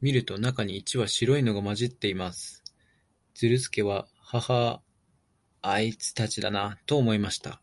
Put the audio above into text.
見ると、中に一羽白いのが混じっています。ズルスケは、ハハア、あいつたちだな、と思いました。